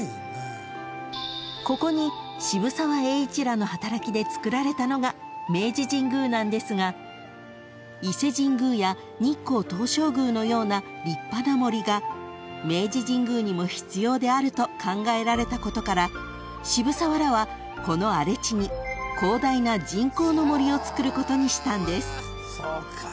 ［ここに渋沢栄一らの働きでつくられたのが明治神宮なんですが伊勢神宮や日光東照宮のような立派な森が明治神宮にも必要であると考えられたことから渋沢らはこの荒れ地に広大な人工の森をつくることにしたんです］